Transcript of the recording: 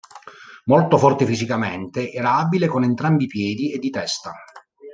Molto forte fisicamente, era abile con entrambi i piedi e di testa.